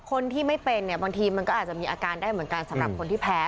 คนที่ไม่เป็นเนี่ยบางทีมันก็อาจจะมีอาการได้เหมือนกันสำหรับคนที่แพ้